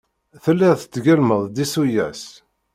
Telliḍ tgellmeḍ-d isuyas.